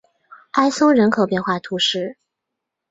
埃松人口变化图示